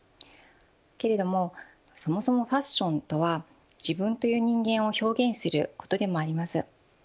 けれどもそもそもファッションとは自分という人間を表現することでもあります。